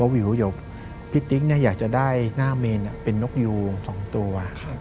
วิวเดี๋ยวพี่ติ๊กอยากจะได้หน้าเมนเป็นนกยูง๒ตัว